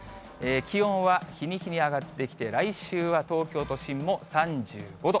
気温は日に日に上がってきて、来週は東京都心も３５度。